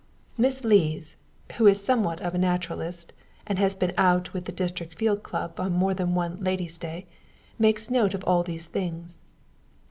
Miss Lees, who is somewhat of a naturalist, and has been out with the District Field Club on more than one "ladies' day," makes note of all these things.